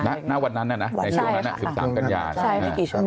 ณวันนั้นน่ะนะในช่วงนั้นน่ะ๑๓กันยาใช่ไหมครับนี่กี่ชั่วโมง